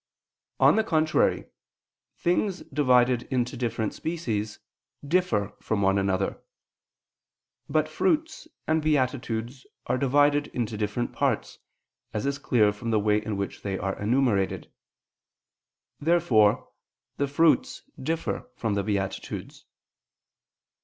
On the contrary, Things divided into different species, differ from one another. But fruits and beatitudes are divided into different parts, as is clear from the way in which they are enumerated. Therefore the fruits differ from the beatitudes.